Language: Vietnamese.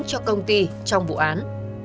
cho công ty trong vụ án